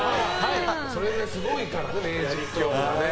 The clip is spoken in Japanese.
それだけすごいからね名実況が。